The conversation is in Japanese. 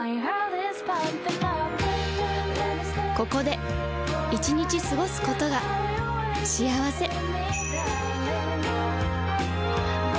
ここで１日過ごすことが幸せ